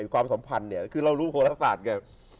ความสัมพันธ์เนี่ยคือเรารู้โหลศาสตร์ไง